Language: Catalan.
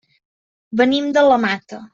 Venim de la Mata.